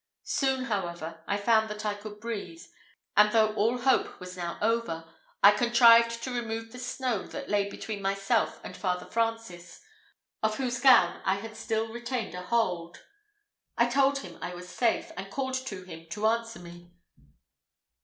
Soon, however, I found that I could breathe, and though all hope was now over, I contrived to remove the snow that lay between myself and Father Francis, of whose gown I had still retained a hold. I told him I was safe, and called to him to answer me.